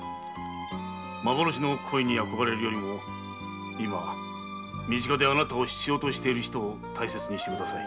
幻の恋に憧れるよりも身近であなたを必要としている人を大切にしてください。